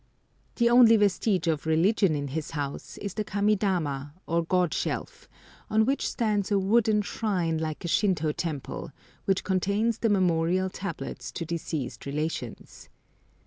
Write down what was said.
The only vestige of religion in his house is the kamidana, or god shelf, on which stands a wooden shrine like a Shintô temple, which contains the memorial tablets to deceased relations.